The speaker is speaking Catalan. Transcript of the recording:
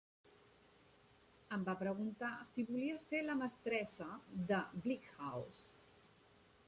Em va preguntar si voldria ser la mestressa de Bleak House.